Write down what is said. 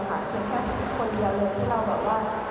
แค่คนเดียวเลยที่เราบอกว่า